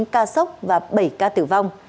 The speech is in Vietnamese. ba trăm sáu mươi chín ca sốc và bảy ca tử vong